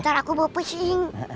ntar aku bawa pesing